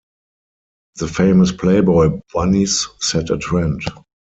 The famous Playboy Bunnies set a trend.